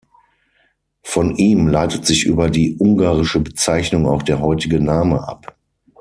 Von ihm leitet sich über die ungarische Bezeichnung auch der heutige Name ab.